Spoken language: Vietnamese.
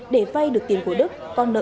để vây được tiền của đức con nợ